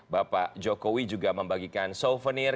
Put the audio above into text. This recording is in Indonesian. bapak jokowi juga membagikan souvenir